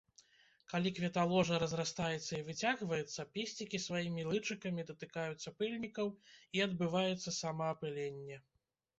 Калі кветаложа разрастаецца і выцягваецца, песцікі сваімі лычыкамі датыкаюцца пыльнікаў і адбываецца самаапыленне.